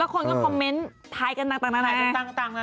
แล้วคนก็คอมเม้นท์ไทยกันต่างหน้า